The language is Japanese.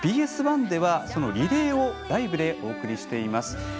ＢＳ１ではリレーをライブでお送りしています。